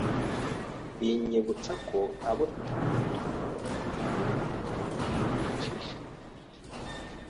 binyibutsa ko abo turibo tudakorwaho nubwo twicisha bugufi.